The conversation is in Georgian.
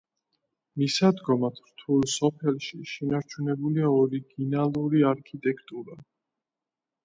მისადგომად რთულ სოფელში შენარჩუნებულია ორიგინალური არქიტექტურა.